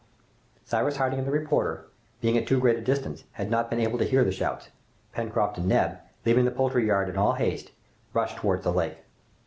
Cyrus Harding and the reporter, being at too great a distance, had not been able to hear the shouts. Pencroft and Neb, leaving the poultry yard in all haste, rushed towards the lake.